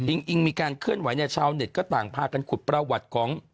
อิงมีการเคลื่อนไหวเนี่ยชาวเน็ตก็ต่างพากันขุดประวัติของ